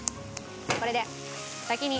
これで先に。